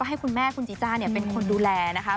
แล้วให้คุณแม่คุณจีจ้าเนี่ยเป็นคนดูแลนะคะ